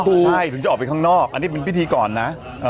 ใช่ถึงจะออกไปข้างนอกอันนี้เป็นพิธีก่อนนะ